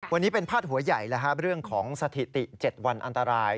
วันนี้เป็นพาดหัวใหญ่เรื่องของสถิติ๗วันอันตราย